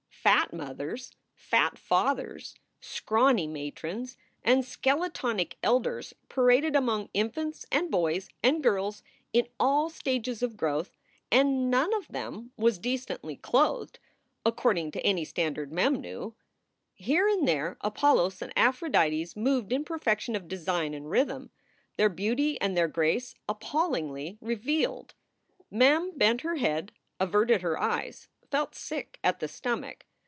Fat mothers, fat fathers, scrawny matrons, and skeletonic elders paraded among infants and boys and girls in all stages of growth, and none of them was decently clothed according to any standard Mem knew. Here and there Apollos and Aphrodites moved in perfec tion of design and rhythm, their beauty and their grace appallingly revealed. Mem bent her head, averted her eyes, felt sick at the stomach.